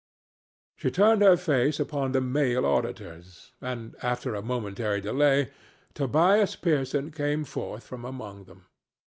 She turned her face upon the male auditors, and after a momentary delay Tobias Pearson came forth from among them.